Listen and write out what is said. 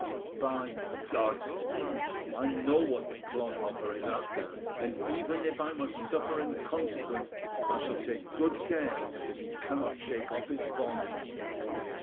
"By God!" said he, "I know what the clodhopper is after; and even if I must suffer in consequence, I shall take good care that he cannot shake off his bonds.